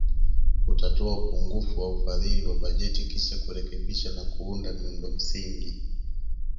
Kutatua upungufu wa ufadhili wa bajeti kisha kurekebisha na kuunda miundo msingi